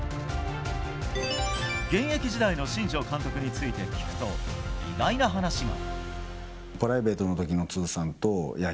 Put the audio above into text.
現役時代の新庄監督について聞くと、意外な話が。